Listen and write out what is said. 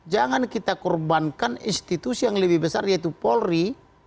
jangan kita korbankan institusi yang lebih besar yaitu polri